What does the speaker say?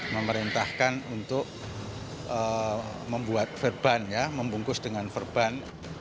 memerintahkan untuk membuat verban ya membungkus dengan verban